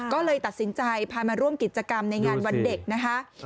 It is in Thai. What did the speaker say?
ก็เลยตัดสินใจพามาร่วมกิจกรรมในงานวันเด็กนะคะ